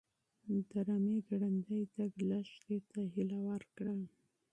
د رمه ګړندی تګ لښتې ته هیله ورکړه.